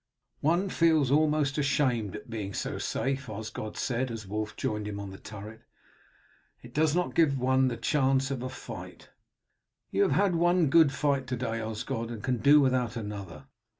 "One feels almost ashamed at being so safe," Osgod said, as Wulf joined him on the turret. "It does not give one the chance of a fight." "You have had one good fight to day, Osgod, and can do without another.